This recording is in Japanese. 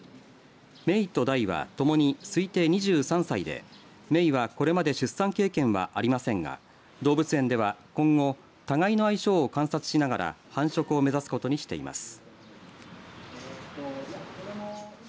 メイとダイは、ともに推定２３歳でメイはこれまで出産経験はありませんが動物園では今後、互いの相性を観察しながら繁殖を目指すことにしています。